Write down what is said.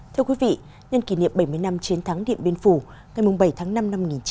thưa quý vị nhân kỷ niệm bảy mươi năm chiến thắng điện biên phủ ngày bảy tháng năm năm một nghìn chín trăm bốn mươi năm